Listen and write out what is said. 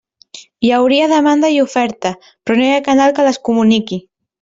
Hi hauria demanda i oferta, però no hi ha canal que les comuniqui.